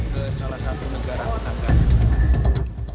ke salah satu negara tetangga